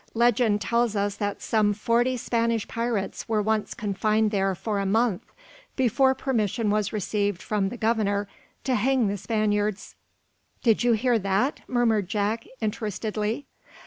Legend tells us that some forty Spanish pirates were once confined there, for a month, before permission was received from the governor to hang the Spaniards." "Did you hear that?" murmured Jack, interestedly.